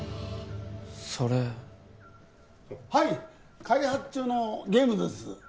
それはい開発中のゲームです